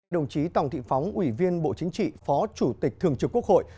đồng chí tòng thị phóng ủy viên bộ chính trị phó chủ tịch thường trực quốc hội